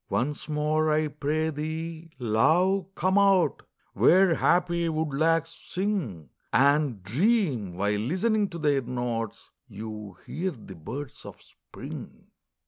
Once more, I pray thee, love, come out, Where happy woodlarks sing, And dream, while listening to their notes, You hear the birds of Spring.